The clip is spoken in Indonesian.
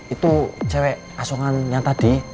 itu cewek asongan yang tadi